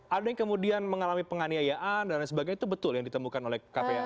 ada yang kemudian mengalami penganiayaan dan lain sebagainya itu betul yang ditemukan oleh kpai